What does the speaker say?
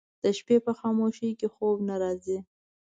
د شپې په خاموشۍ کې خوب نه راځي